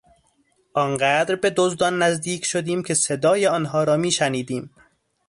آن قدر به دزدان نزدیک شدیم که صدای آنها را میشنیدیم.